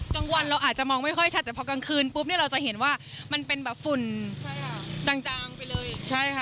กลางวันเราอาจจะมองไม่ค่อยชัดแต่พอกลางคืนปุ๊บเนี่ยเราจะเห็นว่ามันเป็นแบบฝุ่นจางไปเลยใช่ค่ะ